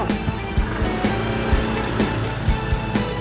kem breast ya sobri